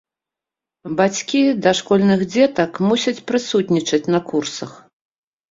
Бацькі дашкольных дзетак мусяць прысутнічаць на курсах.